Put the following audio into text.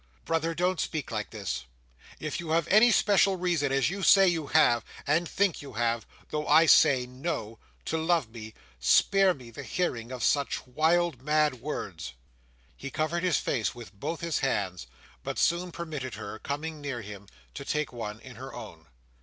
"Brother, don't speak like this. If you have any special reason, as you say you have, and think you have—though I say, No!—to love me, spare me the hearing of such wild mad words!" He covered his face with both his hands; but soon permitted her, coming near him, to take one in her own.